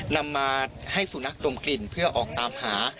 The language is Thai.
นำมาให้สุนัขดมกลิ่นเพื่อออกตามหา